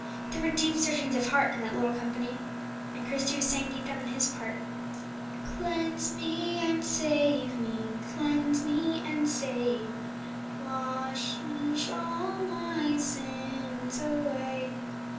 There were deep searchings of heart in that little company. And Christie was saying deep down in his heart: "Cleanse me and save me, Cleanse me and save me, Wash all my sins away."